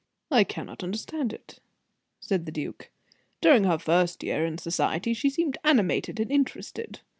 "I cannot understand it," said the duke. "During her first year in society she seemed animated and interested.